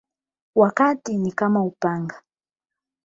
Wakati ni kama upanga